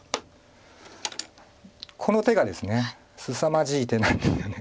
この手がですねすさまじい手なんですよね。